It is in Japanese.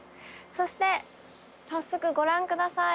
そして早速ご覧ください。